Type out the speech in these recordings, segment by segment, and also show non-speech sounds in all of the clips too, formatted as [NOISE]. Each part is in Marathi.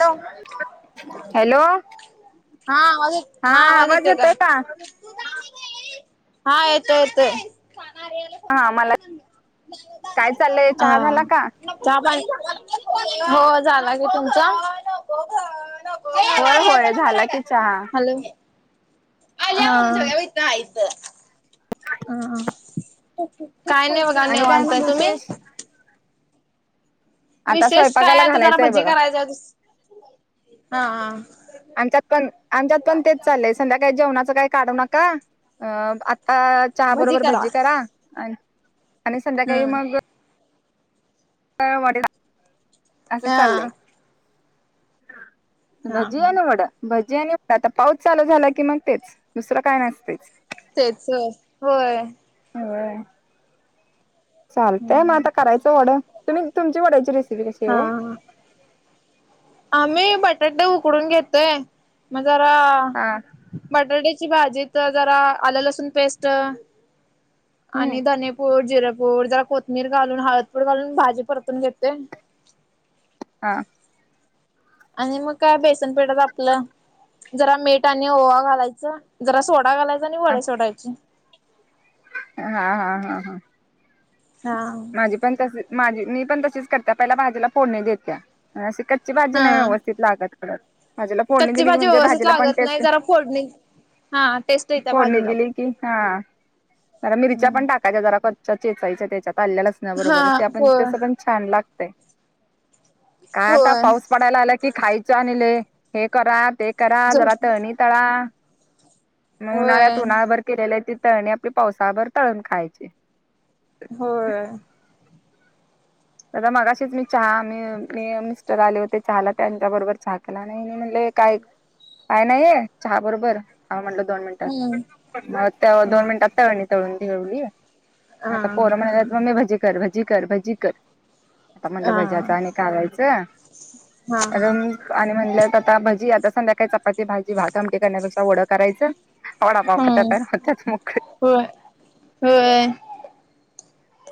Hello hello! हा आवाज येतो आवाज येतोय का? हा येतोय येतोय. हा मलाही काय चालंय, चहा झाला हा का? हो झाला की तुमचा? होय होय झाला की चहा, हॅलो हा. हा हा काय नाही बघा आणि काय निवांत मग तुम्ही विशेष आता विशेष काय स्वयंपाकाला आता जरा घालायचंय भजी बघा करायच हा. आमच्यात पण आमच्यात पण तेच चालंय संध्याकाळी जेवणाचं काही काढू नका- अ आता चहा बरोबर भजी करा आणि संध्याकाळी हम्म मग वाट असं हा चाललंय. हा हा भजियानी वड भजियानी आता पाऊस चालू झाला की मग तेच दुसरं काय नसतेच. तेच होय. ह चालतय मग हम्म आता करायचं वडे तुम्ही तुमची वड्या चि रेसिपी कशी हो. हा आम्ही बटाटे उकडून घेतोय मग जरा हा बटाट्याची भाजी तर जरा आलं लसूण पेस्ट हम्म आणि धनेपूर जिराेपूर जरा कोथमीीर घालून हळदपूर घालून भाजी परतून घेते. हा आणि मग काय बेसनपीठात आपलं जरा मीठ आणि ओवा घालायचं. जरा सोडा घालायचा आणि हा वडे सोडायची. हा हा हा हा. हा. माझी पण तसे माझी मी पण तशीच करत पहिला भाजीला फोडणी देत्या. अशी कच्ची भाजी नाही हा व्यवस्थित लागत परत. माझ्याला फोनने कच्ची दिली की भाजी म्हणजे व्यवस्थित भाजीला पण लागत नाही टेस्ट. जरा फोडणी हा टेस्ट येत्या फोडणी भाजीला दिली पण कि हा मिरच्या हम्म पण टाक. काच्या जरा कच्चा चेचायचा त्याच्यात आलेलं अस ना हा बरोबर ते पण होय तस पण छान लागत. काय आता होय पाऊस पडायला आला कि खायच आणी ले हे करा ते करा. करा जरा झोप तळनि तळा मग उन्हाळ्यात होय उन्हा्यावरर. केलेले ती तळणी आपली पावसाभर तळून खायची. हो. दादा मगाशीच मी चहा म मी मिस्टर आले होते चहाला त्यांच्या बरोबर चहा केला आणि मी म्हणले. काय काय नाहीये चहा बरोबर हा म्हटलं दोन मिनट. हम्म हा दोड मिनटात तळनि तळुन देवली. हा आता पोरं म्हणा मग् मी भजी कर भजी कर भजी कर. आता म्हटलं हा भज्याच आणि खवायचं तर. हा आणि म्हणलं तर आता भजी आता संध्याकाय चपाती भाजी भाात आमटी करण्यापेक्षा वडं करायचं. वडापाव खता प हो मु हो होय.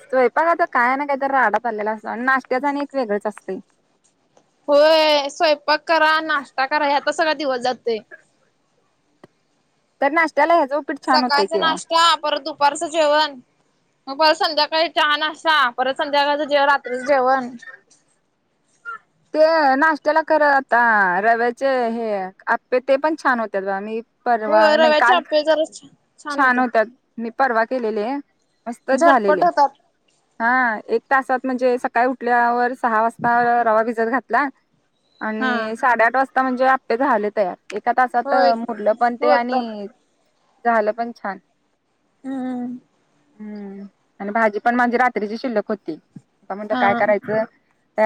स्वयंपाक आता काय ना काही तर राडा पडलेला असतो आणि नाश्त्याच आणि एक वेगळंच असते. होय स्वयंपाक करा नाश्ता करा आता सगळा दिवस जातय. तर नाशत्याला ह्या. सकाळचं नाश्त्या परत दुपारचं जेवण. मग परत संध्याकाळी चहा नाश्ता परत संध्याकाळच जेव रात्रीच जेवण. ते नाश््याला खर आता रव्याचे हे आपे ते पण छान होत बा मी. परवा होय नाही रव्याच्या काल आप्पे जरा छान होत्या. मी परवा केलेले मस्तच झटपट झालेले. होतात हा एक तासात म्हणजे सकाळी उठल्यावर सहा वाजता रवा भिजत घातला. हा आणि साडेआठ वाजता म्हणजे आपपे झाले तयार. एका तासात होय मुरलं पण ते होतात आणि झालं पण छान. हम. हम्म आणि भाजी पण माझे रात्रीची शिल्लक होती आता म्हणत हा काय करायचं.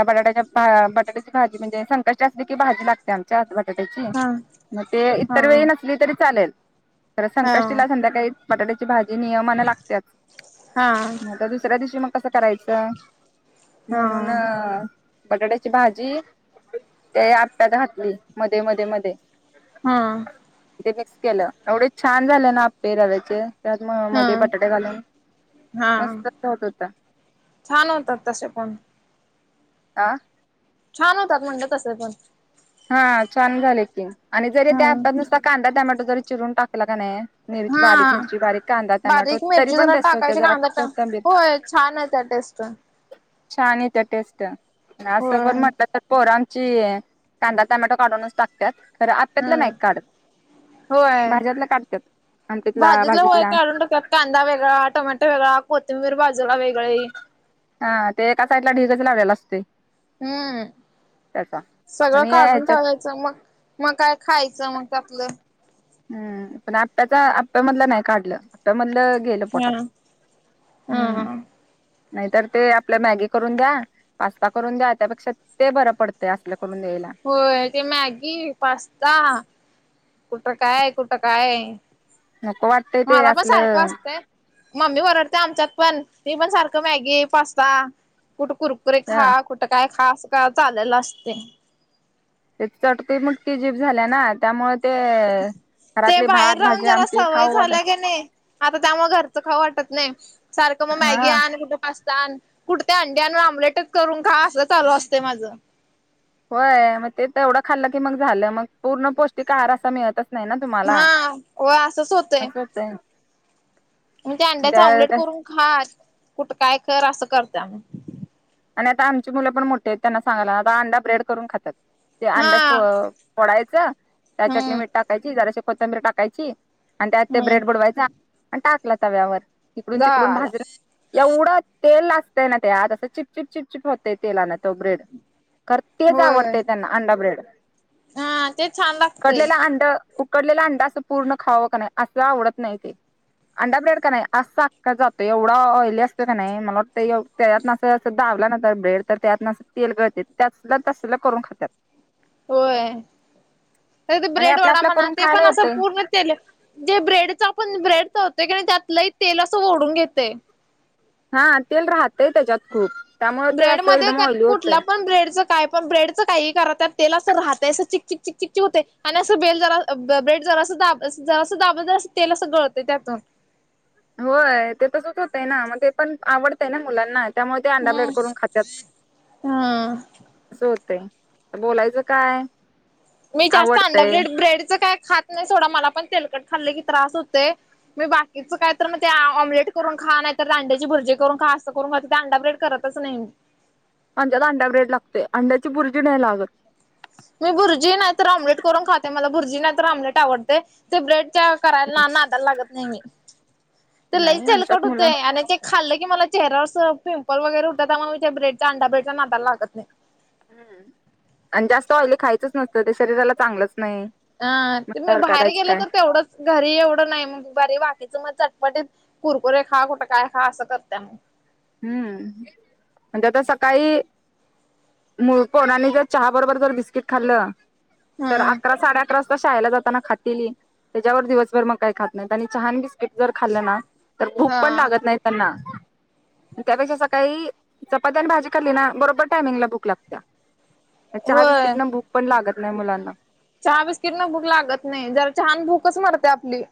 बाट्याच्या बटाट्याची भाजी म्हणजे संकष्टी असले की भाजी लागते. आमच्या बटाट्याची हा मग ते हा इतर वेळी नसली तरी चालेल. तर हा संकष्टीला संध्याकाळी बटाट्याची भाजी नियमाने लागतेच. हा. आता दुसऱ्या दिवशी मग कसं करायचं म्हणून. हा बटाट्याची भाजी ते आप्यात घातली मध्ये मध्ये मध्ये. हम. इथे मिक्स केलं एवढे छान झाले ना आपे रव्याचे. त्यात म मध्ये हा बटाटे घालून हा मस्त होत होता. छान होतात तसे पण. आ. छान होतात म्हणलं तसं पण. हा छान झाले की आणि जरी त्या हम नुसता कांदा टॅमॅटो जरी चिरून टाकला का नाही मिरची बारीक हा मिरची बारीक कांदा टमॅटो बारीक तरी मिरची पण जरा बेस्ट होते टाकायची जरा कांदा टा कोथंबीर [INAUDIBLE] होय छान आहे त्या टेस्ट छान येत टेस्ट असं होय पण म्हटलं तर पोर आमची कांदा टमॅटो काढूनच टातात खरं आप्यातलं हम्म नाहीक काढत होय भाज्यातला काढतात आमटीतला भाजीतलं होय भाजीतला काढून टाकत कांदा वेगळा टमॅटो वेगळा कोथिंबीर बाजूला वेगळे हा ते एका साइडला ढिगच लावलेला असतोय हम्म पण सगळं काढून ह्याच्यात ठेवायचं मग मग काय खायचं मग त्यातलं हम्म पण आप्याचा आप्यामधलं नाही काढलं आप्यामधलं गेल हा पोटात हा हम् नाहीतर ते आपल्या मॅगी करून द्या पास्ता करून द्या त्यापेक्षा ते बरं पडतंय असल्या करून द्यायला होय ते मॅगी, पास्ता कुठ काय कुठं काय नको वाटतंय ते मला पण सारखं असलं असतंय मम्मी वरडते आमच्यात पण ती पण सारखं मॅगी पास्ता कुठ कुर ह खा कुठं काय खा अस का चालेल असते ते चटते मग त जीप झाल्या ना त्यामुळे ते ते घरातली बाहेर भात राहून भाजी जरा आमटी सवय खाऊ झाल्या वाटत की नाही आता त्यामुळे घरचं खाऊ वाटत नाही सारखं मग मॅगी हा आणि कुठं पास्ता कुठत्या अंड्यांवर आमलेटच करून खा असं चालू असते माझं होय मग ते तर एवढं खाल्लं की मग झालं मग पूर्ण पौष्टिक आहार असा मिळतच नाही ना तुम्हाला हा व असंच होतंय असं होत. मग त्या अंड्याच ऑमलेट करून खा कुठं काय कर असं करतामग. आणि आता आमची मुलं पण मोठठीे आहेत त्यांना सांगाय आता अंडा ब्रेड करून खातात. ते अंड्या हा फोडायचं त्या हम्म चटणीमध्ये टाकायची जराशी कोथंबीर टाकायची आणि त्यात त्या हम्म ब्रेड बुडवायचा आणि टाकला तव्यावर ईकडून तिकडून झालं भाजला एवढं तेल ला असतय ना ते आत असं चिपचिप चिपचिप होतय तेलाने तो ब्रेड खरं तेच होय आवडतेय त्यांना अंडा ब्रेड हा ते छान लागतेय. उकडलेला अंड उकडलेला अंड असं पूर्ण खावं का नाही असं आवडत नाही ते अंडा ब्रेड का नाही अस अख्खा जातोय एवढा ऑयली असतो का नाही मला वाटत त्यातं चावला ना तर ब्रेड तर त्यातन तेल गळतेत त्यातन तसल करून खात्यात. होय, ते आणि ब्रेड आपल्या वडा आपल्या म्हणा करून ते खायला पण असं येतंय पूर्ण जे ब्रेडच आपण ब्रेड चवतोय की त्यातलंही तेल असं ओढून घेते हा तेल राहतेय त्याच्यात खूप. त्यामुळे ते ब्रेड असं मध्ये एकदम ऑइली होतंय कुठल्या पण ब्रेडच काय. पण ब्रेडचं काही करा त्या तेला अस राहतं असं चिक चिक चिक चिकचिक होते आणि असं बेल जरा ब्रेड जरा अस दाब जरा अस दाबत ज तेल असं गळत त्यातून होय ते तसंच होत आहे ना मग ते पण आवडतय ना मुलांनाच त्यामुळे ते अंडा हम्म ब्रेड करून खातात हा अस होते तर बोलायचं काय मी जास्त अंडा आवडतंय ब्रेड ब्रेडच काय खात नाही सोडा मला पण तेलकट खाल्ले की त्रास होते मी बाकीचं काय तर मग ते ऑमलेट करून खा नाही तर अंड्याची भुर्जी करून खा असं करून ख अंडा ब्रेड करत कसं नाही म्हणजत अंड्या ब्रेड लागते अंड्याची बुरचीी नाही लागत मी भुर्जी नाहीत तर ऑमलेट करून खाते मला भुर्जी नाही तर ऑमलेट आवडते ते ब्रेडच्या. करायला ना नाला लागत नाही मी तर नाही लईचलकट आमच्यात होते मुलं आणि खाल्लं की म चेहऱ्यावर पिंपल वगैेठत त्या म बेडचा अंा ब्रेडला नााला लागत नाही. हम्म आणि जास्त ऑइले खायचंच नसतं ते शरीराला चांगलंच नाही. ह ते मी म्हटल्यावर बाहेर करायचं गेलं काय तर तेवढंच. घरी एवढं नाही मग बर बाकीचं मग चटपटीत कुरकुरे खा कुठं काय खा असं करतय मग. हम्म म्हणजे आता सकाळी. म कोणाने जर चहा बरोबर जर बिस्किट खाल्ल तर अकरा हम्म साडे अकरा. शाळेला जाताना खातेली त्याच्यावर दिवसभर मग काही खात नाही आणि चहान बिस्किट जर खाल्लं ना. तर भूक हा पण लागत नाही त्यांना. त्यापेक्षा सकाळी चपाती आणि भाजी खाल्ली ना बरोबर टायमिंगला भूक लागत. चहावीस होय कितीन भूक पण लागत नाही मुलांना. चहा बिस्किट न भूक लागत नाही जरा छान भूकच मरते आपली.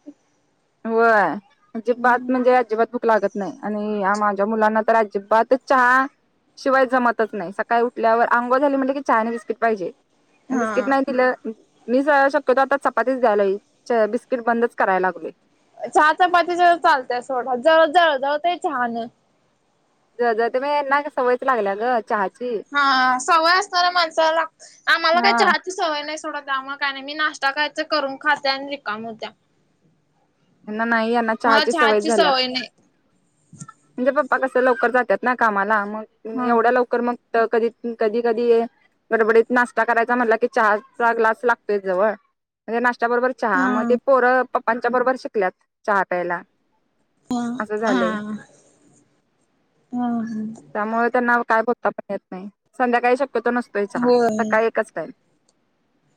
होयजिबात म्हणजे अजिबात. लागत नाही आणि माझ्या मुलांना तर अजिबात चहा. शिवाय जमतच नाही सकाळी उठल्यावर अंोळ झाली म्हणे की चायनी बिस्किट पाहिजे. हा बिस्किप नाही दिलं. मी जा शक्योतो आता चपातीच द्यायला बिस्किट बंदच करायला लागले. चहा पाती ज चालतय सोडा जवळ जवळ जवळ चहाान. ज ज ते म ना सवयच लागल्या ग चहा. हा सवय असणार माणसाला आम्हाला हा काय चाहते. सवय नाही सोडत मग काय नाही मी नाश्ता खायं करून खाते आणि रिकाम होत्या. यांना नाही यांना मला चहाची छहाची झाल्या. सवय नाही. म्हणजे पप्पा कस लवकर जातात ना कामाला मग हा एवढ्या लवकर मग कधी कधी कधी. गडबडीत नाश्ता करायचा म्हटला की चहाचा ग्लास लागतोय जवळ. म्हणजे नाशत्या बरोबर चहा मग ते हा पोरं पप्पांच्या बरोबर शिकल्यात चहा प्यायला. असं झालंय. ह ह त्यामुळे त्यांना काय भता पण येत नाही संध्याकाळी शक्यतो नसतोय चहा होय सकाळी एकच टाम.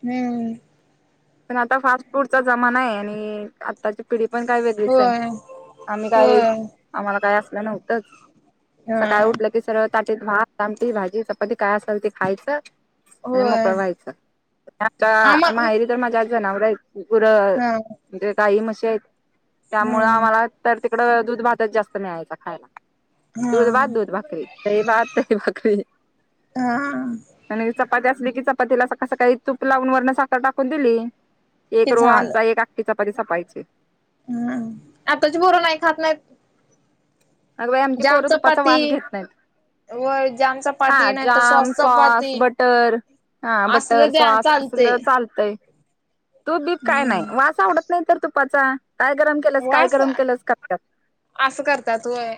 हम्म पण आता फास्ट फूडचा जमाना आहे आणि आताची पिढी पण काय वेगळीच आहे होय आम्ही काय. होय आम्हाला काही असलं नव्हतंच हा सकाळी उठलं. सर्ळ ताटत भात आमटी भाजी सती काय असाल ते खायचं. आणि होय मोकळं व्हायचा आ आम्हा माहेरी तर माझ्या आज जनावर आहेच. र हा म्हणजे काही मशी आहेत त्यामुळं हम्म आम्हाला तर तिकडं दूध भातच जास्त. मिळायचा खायला. दूध वाात हम्म दूध भाकरी तही वाात तही भाकरी. हा आणि चपाती असली की चपातीला सका सकाळी चूप लावून वर्ण साखर टाकून दिली. एक हे रोळ झालं आमचा एक आखीचाप सपायचे. हम्म आताची बरं नाही खात नाहीत. अग बाई आमची जाम पोरं तुपाचा चपाती वास घेत नाहीत. व जाम हा चपाती नाही तर जाम सॉस चपाती बटर. हा बटर असलं द्या सॉस चालते असल चालतंय. तू बीप काय नाही हम्म वास आवडत नाही तर तुपाचा काय गरम केलस व काय अस गरम केलस करत. असं करता तूय.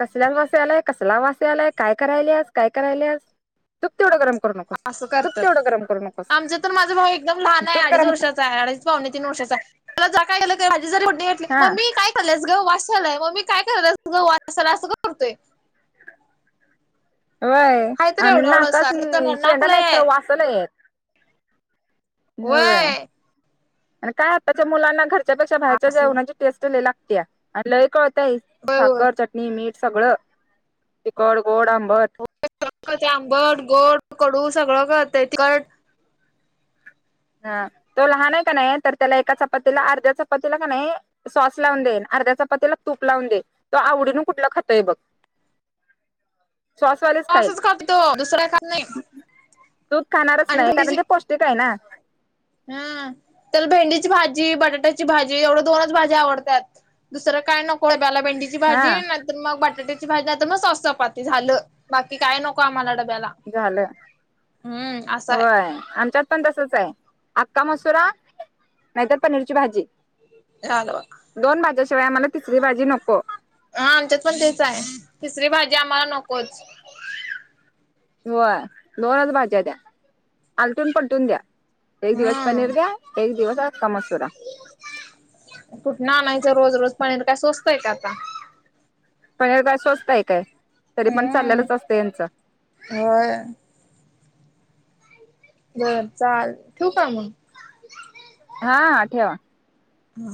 कसल्या वासे आलाय कसला वासे आलाय काय करायला आस काय करायलास. असं करत तेवढं गरम करू नकोस आमचं तर माझ भाऊ एकदम लहान आहे तूप अडीच गरम वर्षाचा आहे आणि.. पा तीन वर्षाचाला ज काय माझी जरीली हा मग मी का. झाल्यास गं वाचालय मग मी काय करस गं वाचाला असं करतोय. वय हाय तर आणि एवढा ना एवढासा कस खरं त्याला नाक शचेेंडा लय नाही आहे र वासल य. कय. आणि काय आताच्या मुलांना घरच्यापेक्षा बाहेरच्या असलं जेवणाची टेस्ट ल लागते आणि ल कळ. होय होय साखर चटणी मीठ सगळं तिकड गोड आंबर. ते आंबट गोड कडू सगळं करते तिकट. हा तो लहान आहे का नाही तर त्याला एका चपातीला अर्ध्या चपातीला का नाही. सॉस लावून देन अर्ध्या चपातीला तूप लावून दे तो आवडीन कुठला खातोय बघ. ह. [INAUDIBLE] असंच करते तो दुसर्या का नाही. दूध खाणारच आणि नाही कारण ते पौष्टिक आहे ना. हम त्याला भेंडीची भाजी बटाट्याची भाजी एवढ्या दोनच भाजी आवडतात. दुसरंय नको्याला भें. भाजी हा नाहीर मग बटाट्याची भाजी नाहीर मग सव चपाती झालं बाकी काय नको आम्हाला डब्याला. झालं हम्म असं होय आहे आमच्यात. पण तसच आहे अखका मसुरा नाहीतर पनीरची भाजी. लवा. दोन भाज्याशिवाय आम्हाला तिसरी भाजी नको. हा आमच्यात पण तेच आहे तिसरी भाजी आम्हाला नकोच. वय दोनच भाज्या द्या आलटून पलटून द्या. एक दिवस पनीिर हम्म ग एक दिवस तमसूरा. कुठन आणायचं रोज रोज पाणीर काय सोचतय का आता. पण काय स्वस्त आहे काय तरी पण हम्म चाललेलंच असतं यांचं. होय. बरं चाल ठेव का म्हग. हा ठेवा. हा.